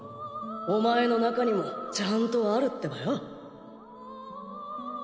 お前の中にもちゃんとあるってばよ。